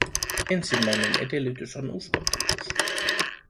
Ensimmäinen edellytys on uskottavuus.